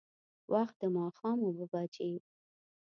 وخت د ماښام اوبه بجې.